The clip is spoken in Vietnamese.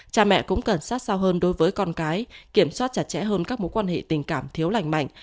cha mẹ cũng cần sát sao hơn đối với con cái kiểm soát chặt chẽ hơn các mối quan hệ tình cảm thiếu lành mạnh